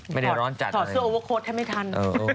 ไม่ได้ร้อนจัดเลย